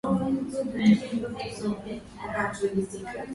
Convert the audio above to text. kwa matibabu ya utegemeaji wa methamfetamini